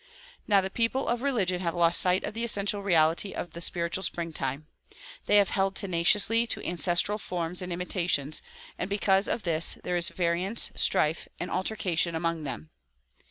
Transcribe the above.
Now the people of religion have lost sight of the essential reality of the spiritual springtime. They have held tenaciously to ancestral forms and imitations, and because of this there is variance, strife and alterca tion among them.